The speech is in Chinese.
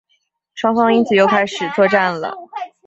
双方因此又准备开始作战了。